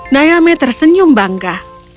nayame tersenyum bangga